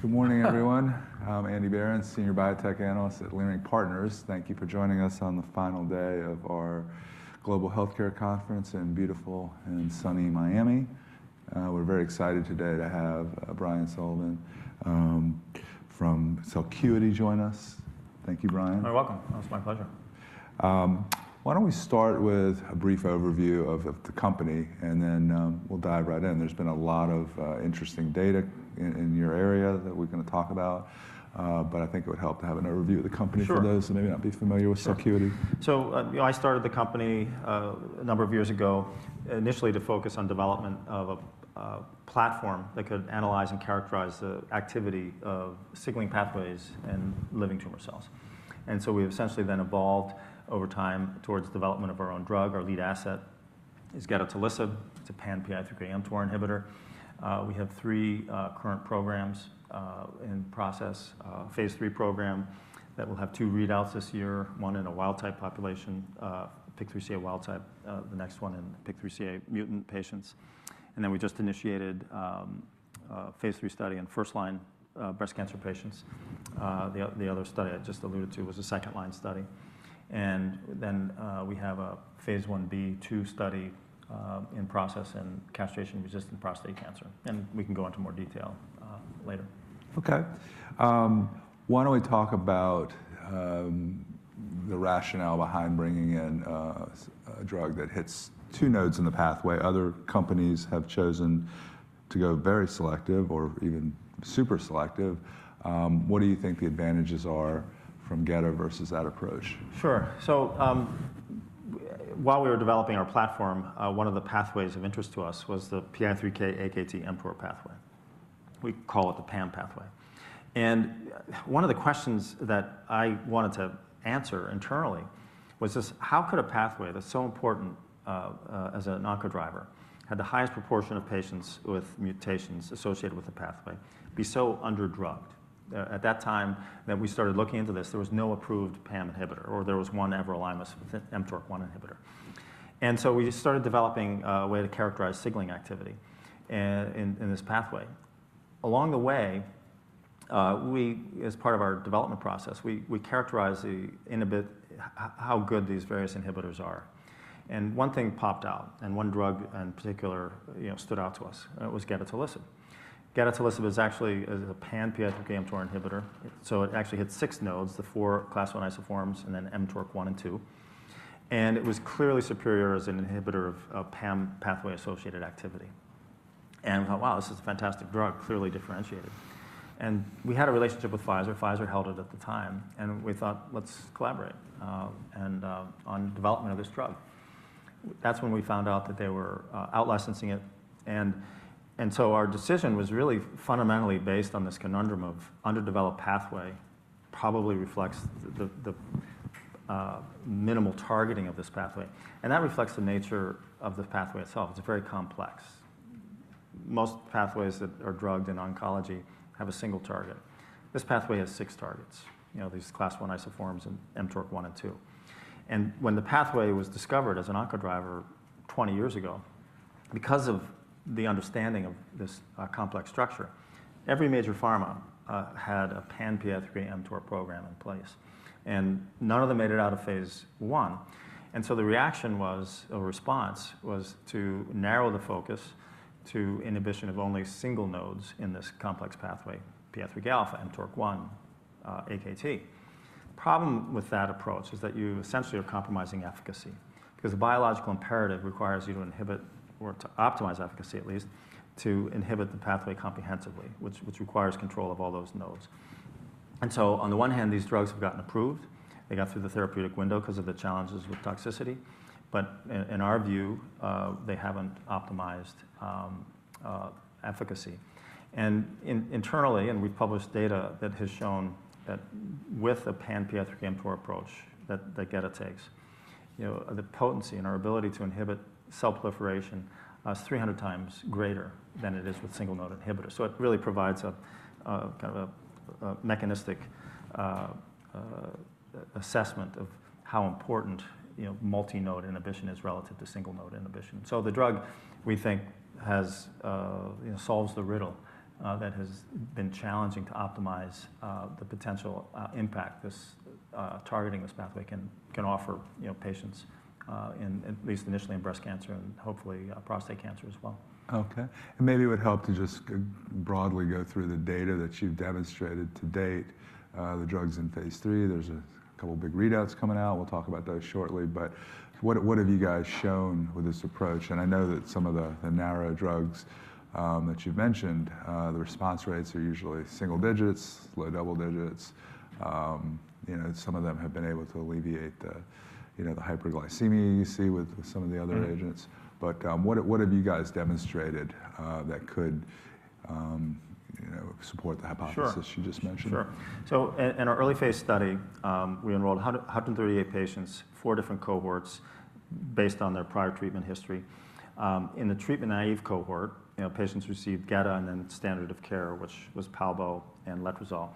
Good morning, everyone. I'm Andy Berens, Senior Biotech Analyst at Leerink Partners. Thank you for joining us on the final day of our Global Healthcare Conference in beautiful and sunny Miami. We're very excited today to have Brian Sullivan from Celcuity join us. Thank you, Brian. You're welcome. It's my pleasure. Why don't we start with a brief overview of the company, and then we'll dive right in. There's been a lot of interesting data in your area that we're going to talk about, but I think it would help to have an overview of the company for those who may not be familiar with Celcuity. Sure. I started the company a number of years ago, initially to focus on development of a platform that could analyze and characterize the activity of signaling pathways in living tumor cells. We have essentially then evolved over time towards the development of our own drug. Our lead asset is gedatolisib. It is a pan-PI3K mTOR inhibitor. We have three current programs in process, a phase III program that will have two readouts this year, one in a wild-type population, PIK3CA wild-type, the next one in PIK3CA mutant patients. We just initiated a phase III study in first-line breast cancer patients. The other study I just alluded to was a second-line study. We have a phase I-B/II study in process in castration-resistant prostate cancer. We can go into more detail later. OK. Why don't we talk about the rationale behind bringing in a drug that hits two nodes in the pathway? Other companies have chosen to go very selective or even super selective. What do you think the advantages are from gedatolisib versus that approach? Sure. While we were developing our platform, one of the pathways of interest to us was the PI3K/AKT/mTOR pathway. We call it the PAM pathway. One of the questions that I wanted to answer internally was this: how could a pathway that's so important as an oncodriver, had the highest proportion of patients with mutations associated with the pathway, be so underdrugged? At that time, when we started looking into this, there was no approved PAM inhibitor, or there was one everolimus mTORC1 inhibitor. We started developing a way to characterize signaling activity in this pathway. Along the way, as part of our development process, we characterized how good these various inhibitors are. One thing popped out, and one drug in particular stood out to us. It was gedatolisib. Gedatolisib is actually a pan-PI3K mTOR inhibitor, so it actually hits six nodes, the four class I isoforms, and then mTORC1 and mTORC2. It was clearly superior as an inhibitor of PAM pathway-associated activity. We thought, wow, this is a fantastic drug, clearly differentiated. We had a relationship with Pfizer. Pfizer held it at the time. We thought, let's collaborate on development of this drug. That is when we found out that they were outlicensing it. Our decision was really fundamentally based on this conundrum of underdeveloped pathway probably reflects the minimal targeting of this pathway. That reflects the nature of the pathway itself. It is very complex. Most pathways that are drugged in oncology have a single target. This pathway has six targets, these class I isoforms and mTORC1 and mTORC2. When the pathway was discovered as an oncodriver 20 years ago, because of the understanding of this complex structure, every major pharma had a pan-PI3K mTOR program in place. None of them made it out of phase I. The reaction was, or response, was to narrow the focus to inhibition of only single nodes in this complex pathway, PI3K alpha, mTORC1, AKT. The problem with that approach is that you essentially are compromising efficacy, because the biological imperative requires you to inhibit, or to optimize efficacy at least, to inhibit the pathway comprehensively, which requires control of all those nodes. On the one hand, these drugs have gotten approved. They got through the therapeutic window because of the challenges with toxicity. In our view, they haven't optimized efficacy. Internally, and we've published data that has shown that with a pan-PI3K mTOR approach that gedatolisib takes, the potency and our ability to inhibit cell proliferation is 300x greater than it is with single-node inhibitors. It really provides a kind of a mechanistic assessment of how important multi-node inhibition is relative to single-node inhibition. The drug, we think, solves the riddle that has been challenging to optimize the potential impact targeting this pathway can offer patients, at least initially in breast cancer and hopefully prostate cancer as well. OK. Maybe it would help to just broadly go through the data that you've demonstrated to date. The drug's in phase III. There's a couple of big readouts coming out. We'll talk about those shortly. What have you guys shown with this approach? I know that some of the narrow drugs that you've mentioned, the response rates are usually single digits, low double digits. Some of them have been able to alleviate the hyperglycemia you see with some of the other agents. What have you guys demonstrated that could support the hypothesis you just mentioned? Sure. In our early-phase study, we enrolled 138 patients, four different cohorts, based on their prior treatment history. In the treatment-naive cohort, patients received gedatolisib and then standard of care, which was palbo and letrozole,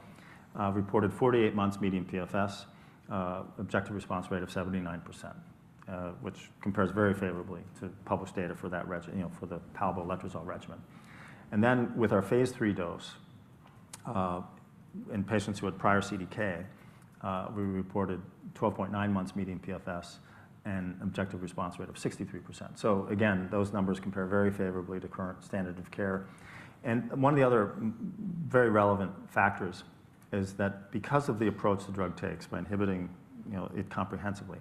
reported 48 months median PFS, objective response rate of 79%, which compares very favorably to published data for the palbo-letrozole regimen. With our phase III dose, in patients who had prior CDK, we reported 12.9 months median PFS and objective response rate of 63%. Those numbers compare very favorably to current standard of care. One of the other very relevant factors is that because of the approach the drug takes by inhibiting it comprehensively,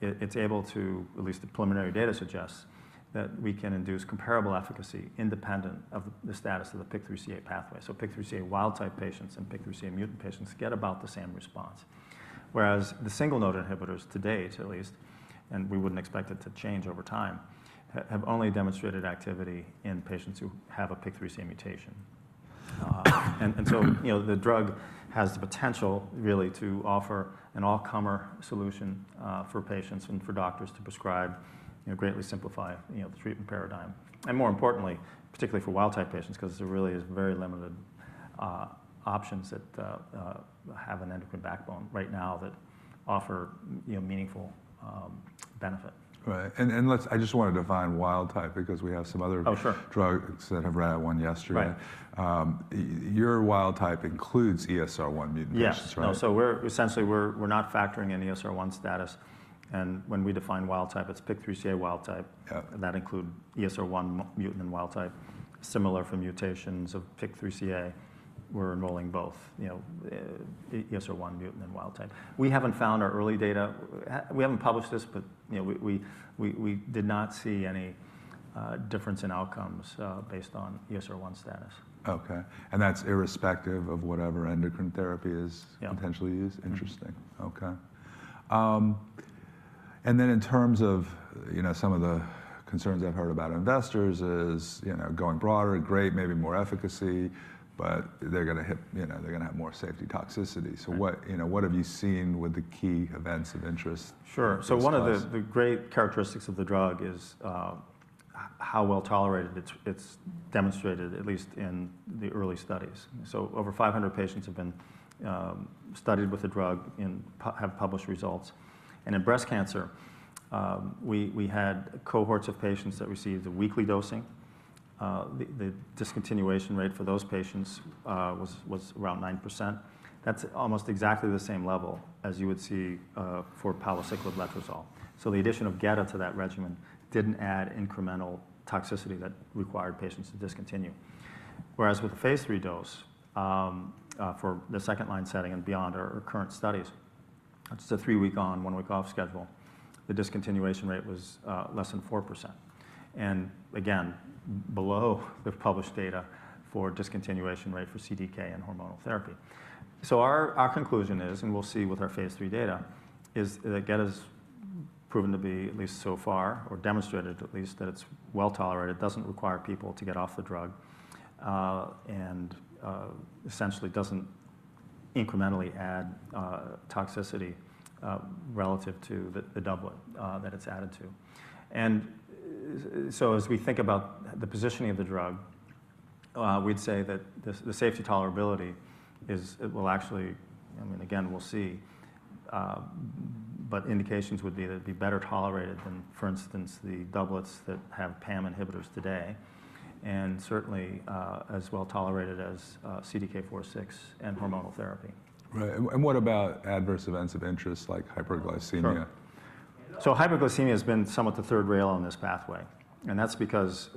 it is able to, at least the preliminary data suggests, induce comparable efficacy independent of the status of the PIK3CA pathway. PIK3CA wild-type patients and PIK3CA mutant patients get about the same response. Whereas the single-node inhibitors to date, at least, and we wouldn't expect it to change over time, have only demonstrated activity in patients who have a PIK3CA mutation. The drug has the potential, really, to offer an all-comer solution for patients and for doctors to prescribe, greatly simplify the treatment paradigm. More importantly, particularly for wild-type patients, because there really are very limited options that have an endocrine backbone right now that offer meaningful benefit. Right. I just want to define wild-type, because we have some other drugs that have read out, one yesterday. Your wild-type includes ESR1 mutant patients, right? Yes. Essentially, we're not factoring in ESR1 status. When we define wild-type, it's PIK3CA wild-type. That includes ESR1 mutant and wild-type. Similar for mutations of PIK3CA, we're enrolling both ESR1 mutant and wild-type. We haven't found in our early data—we haven't published this—but we did not see any difference in outcomes based on ESR1 status. OK. That's irrespective of whatever endocrine therapy is potentially used? Yes. Interesting. OK. In terms of some of the concerns I've heard about investors, going broader, great, maybe more efficacy, but they're going to have more safety toxicity. What have you seen with the key events of interest? Sure. One of the great characteristics of the drug is how well tolerated it's demonstrated, at least in the early studies. Over 500 patients have been studied with the drug and have published results. In breast cancer, we had cohorts of patients that received a weekly dosing. The discontinuation rate for those patients was around 9%. That's almost exactly the same level as you would see for palbociclib letrozole. The addition of geda to that regimen didn't add incremental toxicity that required patients to discontinue. Whereas with the phase III dose, for the second-line setting and beyond our current studies, it's a three-week on, one-week off schedule. The discontinuation rate was less than 4%. Again, below the published data for discontinuation rate for CDK and hormonal therapy. Our conclusion is, and we'll see with our phase III data, is that geda's proven to be, at least so far, or demonstrated at least, that it's well tolerated, doesn't require people to get off the drug, and essentially doesn't incrementally add toxicity relative to the doublet that it's added to. As we think about the positioning of the drug, we'd say that the safety tolerability will actually, I mean, again, we'll see. Indications would be that it'd be better tolerated than, for instance, the doublets that have PAM inhibitors today, and certainly as well tolerated as CDK4/6 and hormonal therapy. Right. What about adverse events of interest, like hyperglycemia? Hyperglycemia has been somewhat the third rail on this pathway. That's because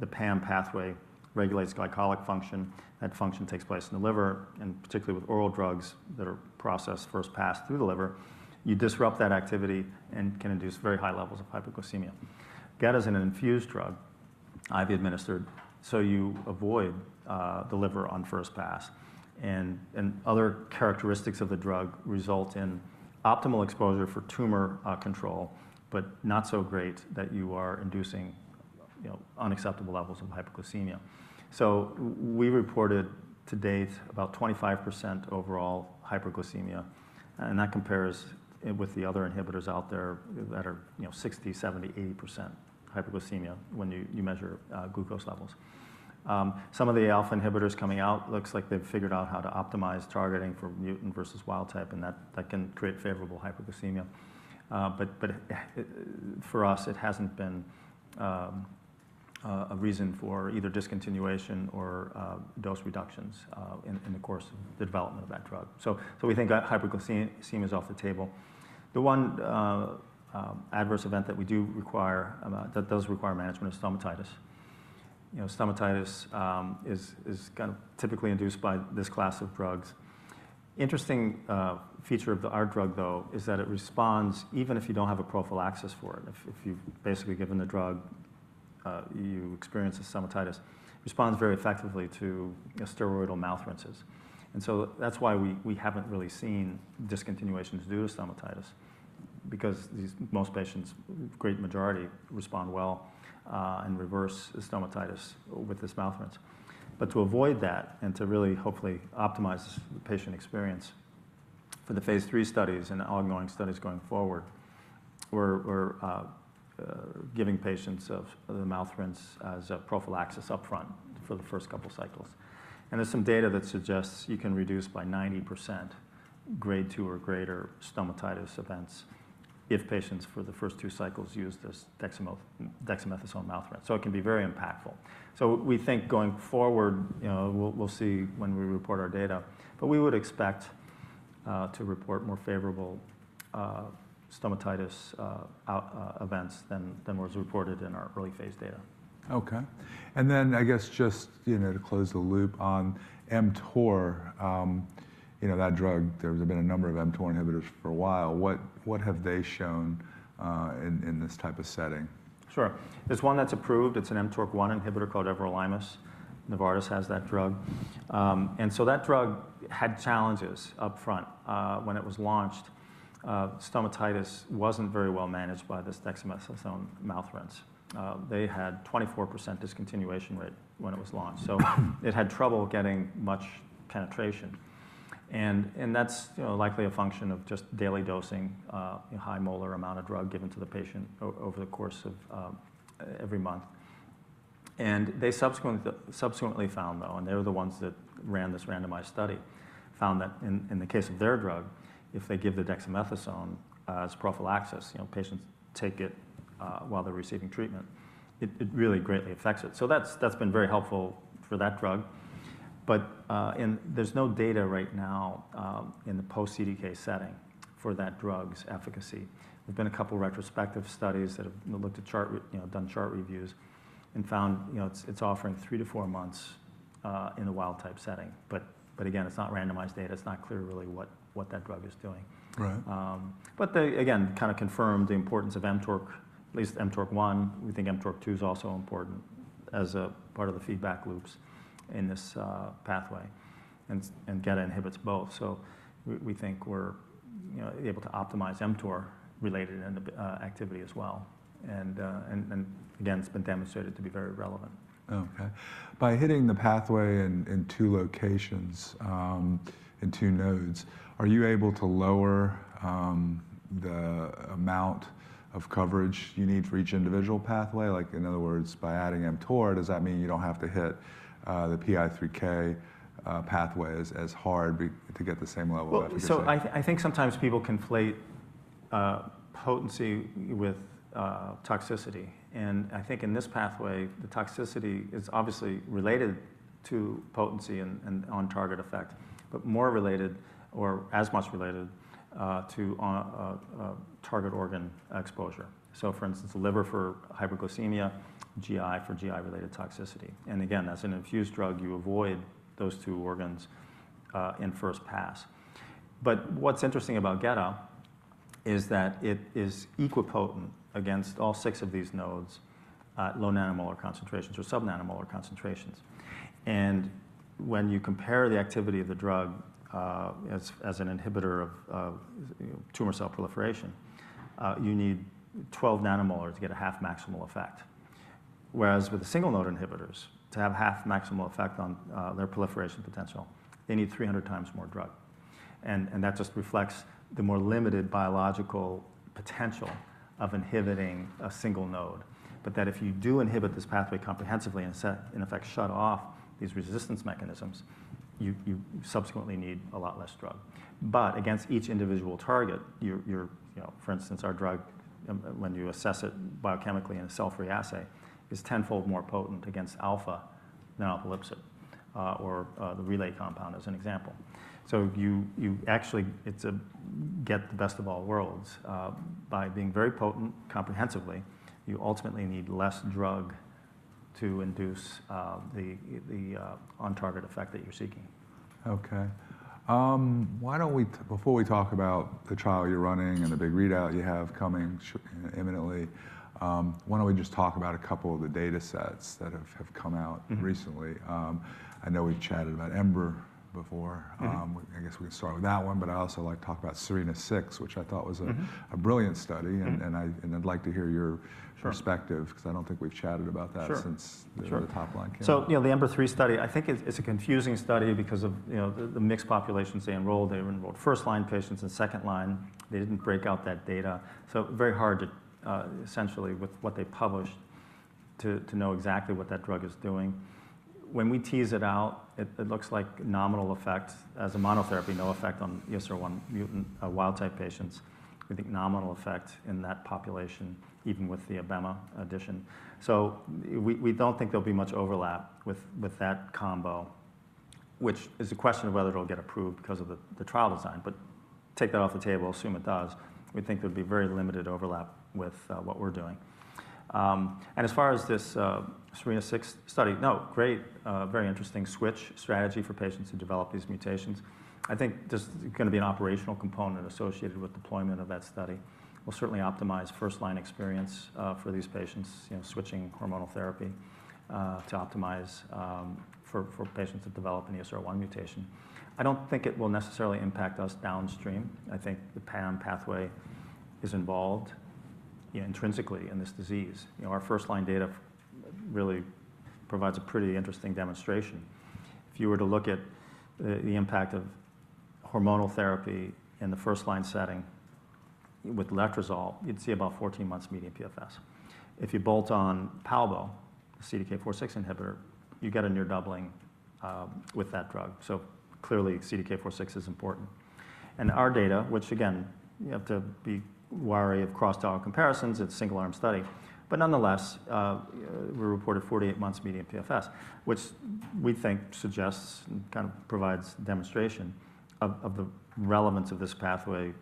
the PAM pathway regulates glycolic function. That function takes place in the liver. Particularly with oral drugs that are processed first pass through the liver, you disrupt that activity and can induce very high levels of hyperglycemia. Geda is an infused drug, IV administered. You avoid the liver on first pass. Other characteristics of the drug result in optimal exposure for tumor control, but not so great that you are inducing unacceptable levels of hyperglycemia. We reported to date about 25% overall hyperglycemia. That compares with the other inhibitors out there that are 60%-70%-80% hyperglycemia when you measure glucose levels. Some of the alpha inhibitors coming out, it looks like they've figured out how to optimize targeting for mutant versus wild-type, and that can create favorable hyperglycemia. For us, it hasn't been a reason for either discontinuation or dose reductions in the course of the development of that drug. We think hyperglycemia is off the table. The one adverse event that does require management is stomatitis. Stomatitis is kind of typically induced by this class of drugs. Interesting feature of our drug, though, is that it responds, even if you don't have a prophylaxis for it, if you've basically given the drug, you experience a stomatitis, responds very effectively to steroidal mouth rinses. That's why we haven't really seen discontinuations due to stomatitis, because most patients, great majority, respond well and reverse stomatitis with this mouth rinse. To avoid that and to really, hopefully, optimize the patient experience for the phase III studies and ongoing studies going forward, we're giving patients the mouth rinse as a prophylaxis upfront for the first couple of cycles. There's some data that suggests you can reduce by 90% grade II or greater stomatitis events if patients for the first two cycles use this dexamethasone mouth rinse. It can be very impactful. We think going forward, we'll see when we report our data. We would expect to report more favorable stomatitis events than was reported in our early-phase data. OK. I guess, just to close the loop on mTOR, that drug, there have been a number of mTOR inhibitors for a while. What have they shown in this type of setting? Sure. There's one that's approved. It's an mTORC1 inhibitor called everolimus. Novartis has that drug. That drug had challenges upfront. When it was launched, stomatitis wasn't very well managed by this dexamethasone mouth rinse. They had a 24% discontinuation rate when it was launched. It had trouble getting much penetration. That's likely a function of just daily dosing, high molar amount of drug given to the patient over the course of every month. They subsequently found, though, and they're the ones that ran this randomized study, found that in the case of their drug, if they give the dexamethasone as prophylaxis, patients take it while they're receiving treatment, it really greatly affects it. That's been very helpful for that drug. There's no data right now in the post-CDK setting for that drug's efficacy. There have been a couple of retrospective studies that have looked at chart, done chart reviews, and found it's offering three to four months in the wild-type setting. Again, it's not randomized data. It's not clear, really, what that drug is doing. Again, kind of confirmed the importance of mTORC, at least mTORC1. We think mTORC2 is also important as a part of the feedback loops in this pathway. Geda inhibits both. We think we're able to optimize mTOR-related activity as well. Again, it's been demonstrated to be very relevant. OK. By hitting the pathway in two locations, in two nodes, are you able to lower the amount of coverage you need for each individual pathway? Like, in other words, by adding mTOR, does that mean you don't have to hit the PI3K pathway as hard to get the same level of efficacy? I think sometimes people conflate potency with toxicity. I think in this pathway, the toxicity is obviously related to potency and on-target effect, but more related, or as much related, to target organ exposure. For instance, the liver for hyperglycemia, GI for GI-related toxicity. Again, as an infused drug, you avoid those two organs in first pass. What is interesting about geda is that it is equally potent against all six of these nodes at low nanomolar concentrations or subnanomolar concentrations. When you compare the activity of the drug as an inhibitor of tumor cell proliferation, you need 12 nanomolar to get a half maximal effect. Whereas with the single-node inhibitors, to have half maximal effect on their proliferation potential, they need 300x more drug. That just reflects the more limited biological potential of inhibiting a single node. If you do inhibit this pathway comprehensively and, in effect, shut off these resistance mechanisms, you subsequently need a lot less drug. Against each individual target, for instance, our drug, when you assess it biochemically in a sulforhodamine assay, is 10-fold more potent against alpha than alpelisib, or the Relay compound, as an example. It's a get the best of all worlds. By being very potent comprehensively, you ultimately need less drug to induce the on-target effect that you're seeking. OK. Before we talk about the trial you're running and the big readout you have coming imminently, why don't we just talk about a couple of the data sets that have come out recently? I know we've chatted about EMBER before. I guess we can start with that one. I also like to talk about SERENA-6, which I thought was a brilliant study. I'd like to hear your perspective, because I don't think we've chatted about that since the top line came. Sure. The EMBER-3 study, I think it's a confusing study because of the mixed populations they enrolled. They enrolled first-line patients and second-line. They didn't break out that data. Very hard to, essentially, with what they published, to know exactly what that drug is doing. When we tease it out, it looks like nominal effect as a monotherapy, no effect on ESR1 mutant wild-type patients. We think nominal effect in that population, even with the abema addition. We don't think there'll be much overlap with that combo, which is a question of whether it'll get approved because of the trial design. Take that off the table, assume it does. We think there'd be very limited overlap with what we're doing. As far as this SERENA-6 study, no, great, very interesting switch strategy for patients to develop these mutations. I think there's going to be an operational component associated with deployment of that study. We'll certainly optimize first-line experience for these patients, switching hormonal therapy to optimize for patients that develop an ESR1 mutation. I don't think it will necessarily impact us downstream. I think the PAM pathway is involved intrinsically in this disease. Our first-line data really provides a pretty interesting demonstration. If you were to look at the impact of hormonal therapy in the first-line setting with letrozole, you'd see about 14 months median PFS. If you bolt on palbo, the CDK4/6 inhibitor, you get a near doubling with that drug. Clearly, CDK4/6 is important. And our data, which again, you have to be wary of cross-title comparisons, it's a single-arm study. Nonetheless, we reported 48 months median PFS, which we think suggests and kind of provides demonstration of the relevance of this pathway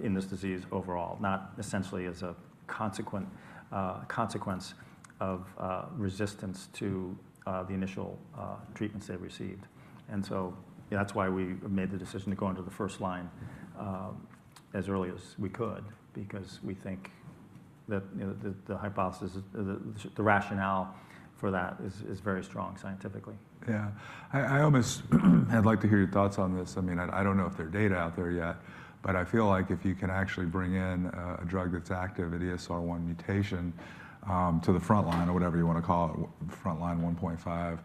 in this disease overall, not essentially as a consequence of resistance to the initial treatments they've received. That is why we made the decision to go into the first line as early as we could, because we think that the hypothesis, the rationale for that, is very strong scientifically. Yeah. I almost had like to hear your thoughts on this. I mean, I don't know if there are data out there yet. I feel like if you can actually bring in a drug that's active at ESR1 mutation to the front line, or whatever you want to call it, front line 1.5,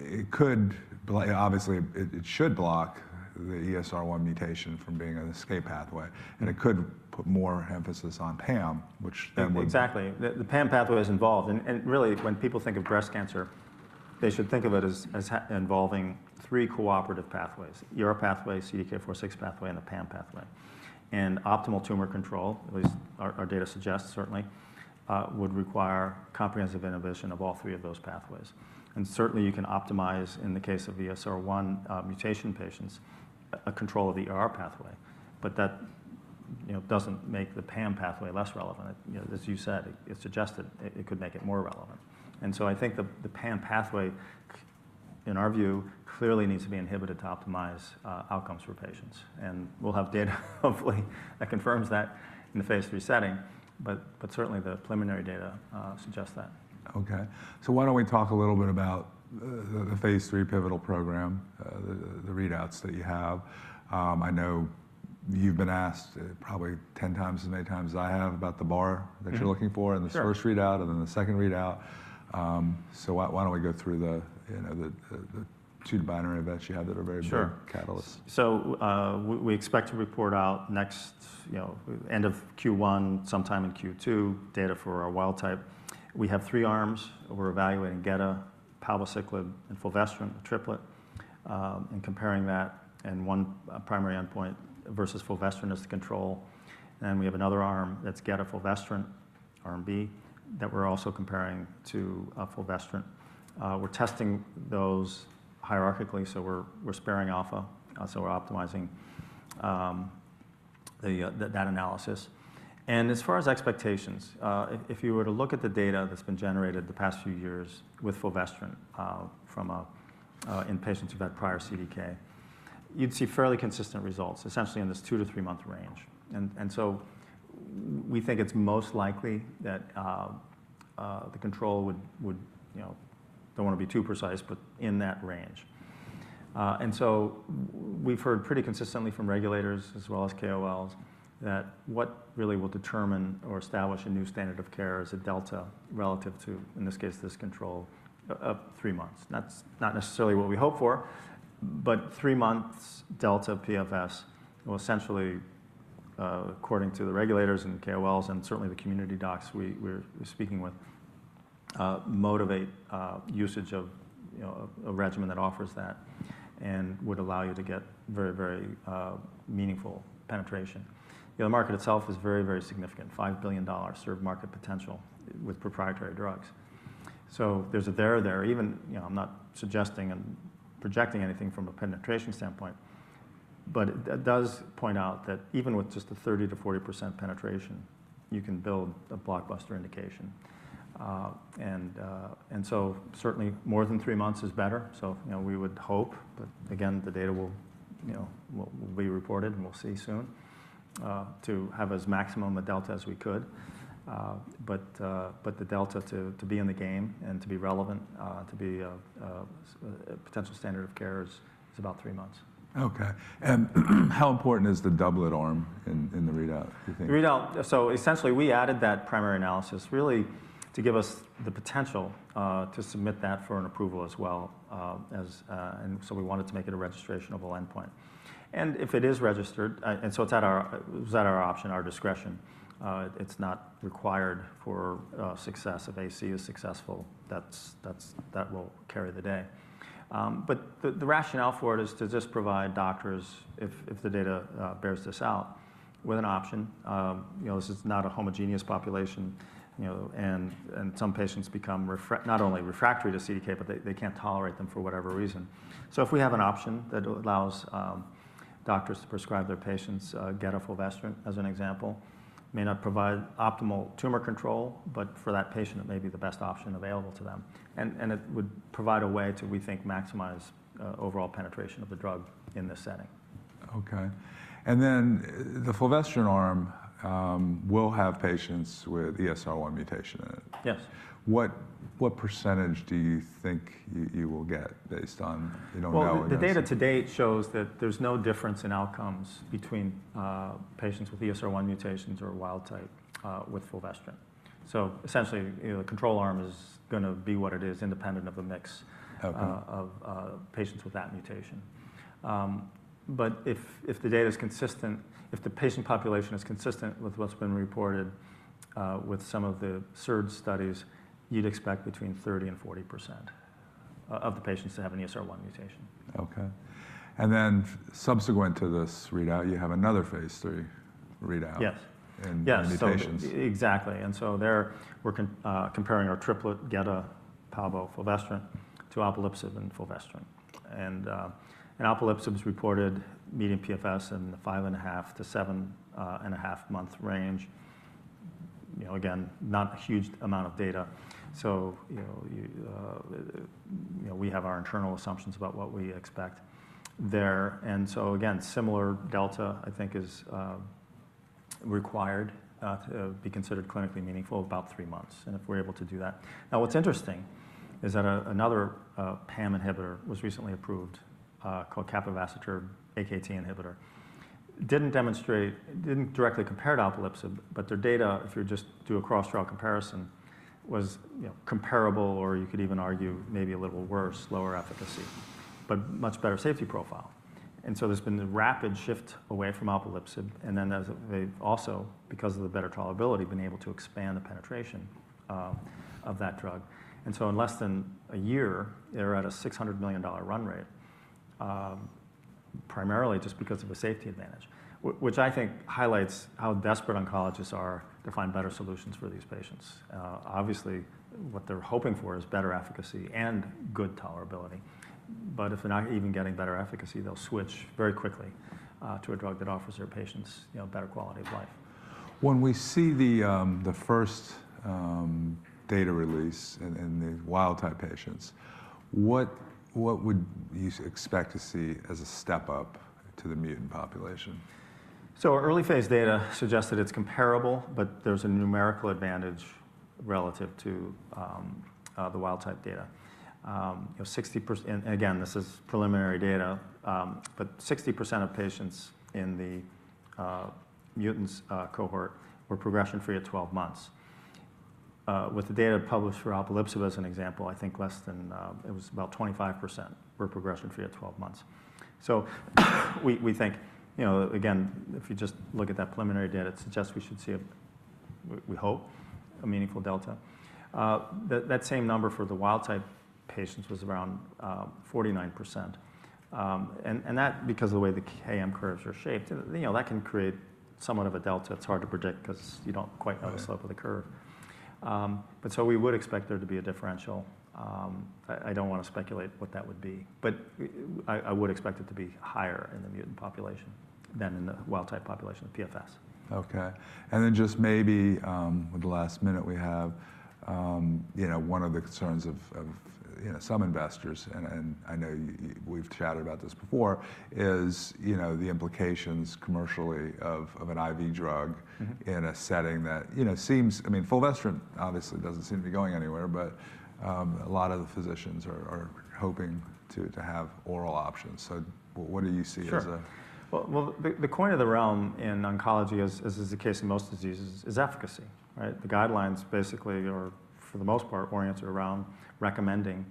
it could, obviously, it should block the ESR1 mutation from being an escape pathway. It could put more emphasis on PAM, which. Exactly. The PAM pathway is involved. Really, when people think of breast cancer, they should think of it as involving three cooperative pathways: your pathway, CDK4/6 pathway, and the PAM pathway. Optimal tumor control, at least our data suggests, certainly would require comprehensive inhibition of all three of those pathways. Certainly, you can optimize, in the case of ESR1 mutation patients, a control of the pathway. That does not make the PAM pathway less relevant. As you said, it suggested it could make it more relevant. I think the PAM pathway, in our view, clearly needs to be inhibited to optimize outcomes for patients. We will have data, hopefully, that confirms that in the phase III setting. Certainly, the preliminary data suggests that. OK. Why don't we talk a little bit about the phase III pivotal program, the readouts that you have? I know you've been asked probably 10x as many times as I have about the bar that you're looking for, and the first readout, and then the second readout. Why don't we go through the two binary events you have that are very big catalysts? Sure. We expect to report out next end of Q1, sometime in Q2, data for our wild-type. We have three arms. We're evaluating geda, palbociclib, and fulvestrant, the triplet, and comparing that and one primary endpoint versus fulvestrant as the control. We have another arm that's geda, fulvestrant, Arm B, that we're also comparing to fulvestrant. We're testing those hierarchically. We're sparing alpha. We're optimizing that analysis. As far as expectations, if you were to look at the data that's been generated the past few years with fulvestrant from in patients who've had prior CDK, you'd see fairly consistent results, essentially in this two- to three-month range. We think it's most likely that the control would, don't want to be too precise, but in that range. We have heard pretty consistently from regulators, as well as KOLs, that what really will determine or establish a new standard of care is a delta relative to, in this case, this control of three months. That is not necessarily what we hope for. However, three months delta PFS will essentially, according to the regulators and KOLs and certainly the community docs we are speaking with, motivate usage of a regimen that offers that and would allow you to get very, very meaningful penetration. The market itself is very, very significant, $5 billion serve market potential with proprietary drugs. There is a there there. Even I am not suggesting and projecting anything from a penetration standpoint. However, it does point out that even with just a 30%-40% penetration, you can build a blockbuster indication. Certainly, more than three months is better. We would hope, but again, the data will be reported, and we'll see soon, to have as maximum a delta as we could. The delta to be in the game and to be relevant, to be a potential standard of care is about three months. OK. How important is the doublet arm in the readout, do you think? Essentially, we added that primary analysis really to give us the potential to submit that for an approval as well. We wanted to make it a registrationable endpoint. If it is registered, it was at our option, our discretion. It is not required for success. If A/C is successful, that will carry the day. The rationale for it is to just provide doctors, if the data bears this out, with an option. This is not a homogeneous population. Some patients become not only refractory to CDK, but they cannot tolerate them for whatever reason. If we have an option that allows doctors to prescribe their patients geda, fulvestrant, as an example, it may not provide optimal tumor control, but for that patient, it may be the best option available to them. It would provide a way to, we think, maximize overall penetration of the drug in this setting. OK. And then the fulvestrant arm will have patients with ESR1 mutation in it. Yes. What percentage do you think you will get based on how it is? The data to date shows that there's no difference in outcomes between patients with ESR1 mutations or wild-type with fulvestrant. Essentially, the control arm is going to be what it is, independent of the mix of patients with that mutation. If the data is consistent, if the patient population is consistent with what's been reported with some of the SERDs studies, you'd expect between 30% and 40% of the patients to have an ESR1 mutation. OK. Subsequent to this readout, you have another phase III readout in mutations. Yes. Exactly. There we're comparing our triplet, gedatolisib, palbociclib, fulvestrant, to alpelisib and fulvestrant. Alpelisib was reported median PFS in the 5.5-7.5 month range. Again, not a huge amount of data. We have our internal assumptions about what we expect there. Again, similar delta, I think, is required to be considered clinically meaningful, about three months, and if we're able to do that. What's interesting is that another PAM inhibitor was recently approved called capivasertib, an AKT inhibitor. It did not directly compare to alpelisib, but their data, if you just do a cross-trial comparison, was comparable, or you could even argue maybe a little worse, lower efficacy, but much better safety profile. There has been a rapid shift away from alpelisib. They have also, because of the better tolerability, been able to expand the penetration of that drug. In less than a year, they're at a $600 million run rate, primarily just because of a safety advantage, which I think highlights how desperate oncologists are to find better solutions for these patients. Obviously, what they're hoping for is better efficacy and good tolerability. If they're not even getting better efficacy, they'll switch very quickly to a drug that offers their patients better quality of life. When we see the first data release in the wild-type patients, what would you expect to see as a step up to the mutant population? Early phase data suggest that it's comparable, but there's a numerical advantage relative to the wild-type data. Again, this is preliminary data. Sixty percent of patients in the mutants cohort were progression-free at 12 months. With the data published for alpelisib as an example, I think less than, it was about 25%, were progression-free at 12 months. We think, again, if you just look at that preliminary data, it suggests we should see, we hope, a meaningful delta. That same number for the wild-type patients was around 49%. That, because of the way the KM curves are shaped, can create somewhat of a delta. It's hard to predict because you don't quite know the slope of the curve. We would expect there to be a differential. I don't want to speculate what that would be. I would expect it to be higher in the mutant population than in the wild-type population, the PFS. OK. Just maybe with the last minute we have, one of the concerns of some investors, and I know we've chatted about this before, is the implications commercially of an IV drug in a setting that seems, I mean, fulvestrant obviously doesn't seem to be going anywhere. A lot of the physicians are hoping to have oral options. What do you see as a? The coin of the realm in oncology, as is the case in most diseases, is efficacy. The guidelines basically, or for the most part, are oriented around recommending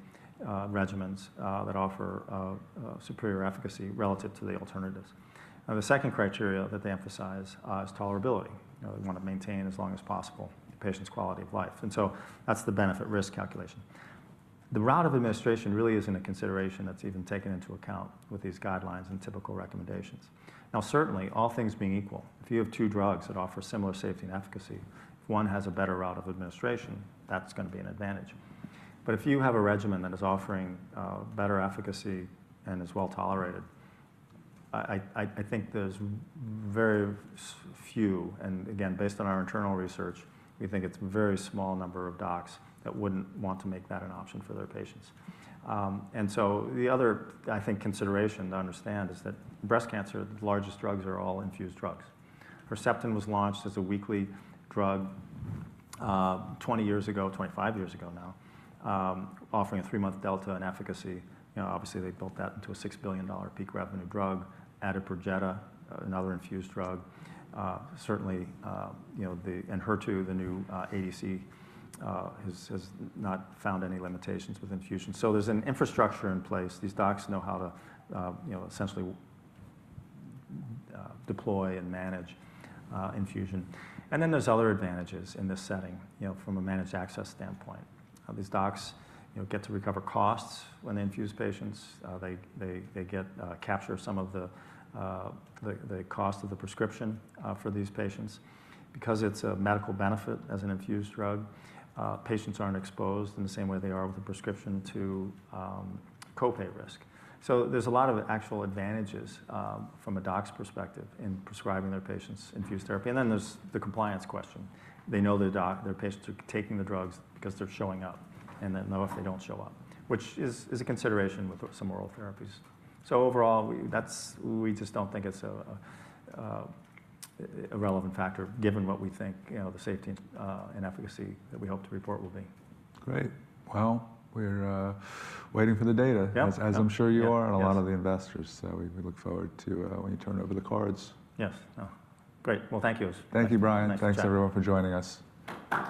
regimens that offer superior efficacy relative to the alternatives. The second criteria that they emphasize is tolerability. They want to maintain as long as possible the patient's quality of life. That is the benefit-risk calculation. The route of administration really isn't a consideration that's even taken into account with these guidelines and typical recommendations. Certainly, all things being equal, if you have two drugs that offer similar safety and efficacy, if one has a better route of administration, that's going to be an advantage. If you have a regimen that is offering better efficacy and is well tolerated, I think there's very few, and again, based on our internal research, we think it's a very small number of docs that wouldn't want to make that an option for their patients. The other, I think, consideration to understand is that breast cancer, the largest drugs are all infused drugs. Herceptin was launched as a weekly drug 20 years ago, 25 years ago now, offering a three-month delta in efficacy. Obviously, they built that into a $6 billion peak revenue drug, added Perjeta, another infused drug. Certainly, in HER2, the new ADC has not found any limitations with infusion. There is an infrastructure in place. These docs know how to essentially deploy and manage infusion. There are other advantages in this setting from a managed access standpoint. These docs get to recover costs when they infuse patients. They capture some of the cost of the prescription for these patients. Because it's a medical benefit as an infused drug, patients aren't exposed in the same way they are with a prescription to copay risk. There are a lot of actual advantages from a doc's perspective in prescribing their patients infused therapy. There is the compliance question. They know their patients are taking the drugs because they're showing up, and they'll know if they don't show up, which is a consideration with some oral therapies. Overall, we just don't think it's a relevant factor, given what we think the safety and efficacy that we hope to report will be. Great. We are waiting for the data, as I am sure you are, and a lot of the investors. We look forward to when you turn over the cards. Yes. Great. Thank you. Thank you, Brian. Thanks, everyone, for joining us.